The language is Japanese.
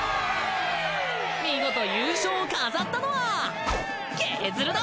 見事優勝を飾ったのはケズルだ！